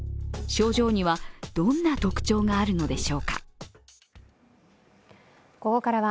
症状にはどんな特徴があるのでしょうか。